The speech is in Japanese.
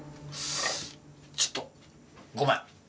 ちょっとごめん。